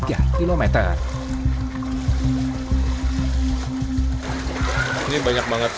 kami juga membuat sampah yang sangat mudah